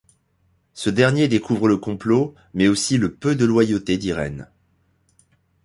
Ce dernier découvre le complot, mais aussi le peu de loyauté d'Irene.